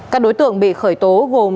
các đối tượng bị khởi tố gồm